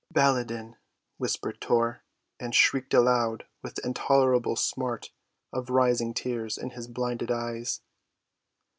"Baladan," whispered Tor, and shrieked aloud with the intolerable smart of rising tears in his blinded eyes.